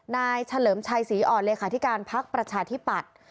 เฉลิมชัยศรีอ่อนเลขาธิการพักประชาธิปัตย์